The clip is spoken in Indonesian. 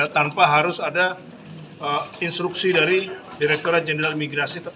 tanpa harus ada instruksi dari direkturat jenderal imigrasi